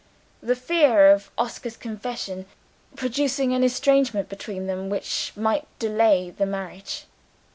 "The fear of Oscar's confession producing an estrangement between them which might delay the marriage.